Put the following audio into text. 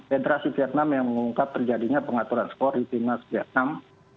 federasi vietnam yang mengungkap terjadinya pengaturan skor di timnas vietnam